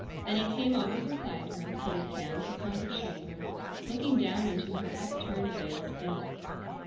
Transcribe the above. Then he came over beside her, put his hands upon her shoulders, looking down into her upturned, veiled face.